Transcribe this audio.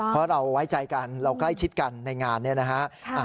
เพราะเราไว้ใจกันเราใกล้ชิดกันในงานเนี่ยนะฮะ